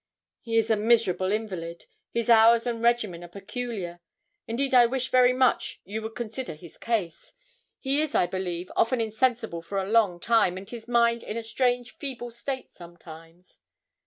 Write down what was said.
'He is a miserable invalid his hours and regimen are peculiar. Indeed I wish very much you would consider his case; he is, I believe, often insensible for a long time, and his mind in a strange feeble state sometimes.'